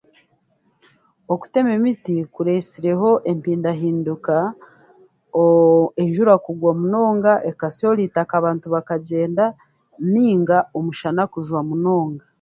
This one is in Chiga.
Okutema emiti kureesireho empindahinduka enjura kugwa munonga ekasyora eitaka abantu bakagyenda nainga omushana kujwa munonga